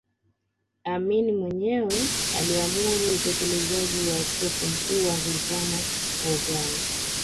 Amin mwenyewe aliamuru utekelezaji wa Askofu Mkuu wa Anglican wa Uganda